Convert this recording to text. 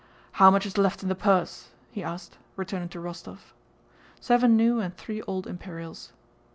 "How much is left in the puhse?" he asked, turning to Rostóv. "Seven new and three old imperials."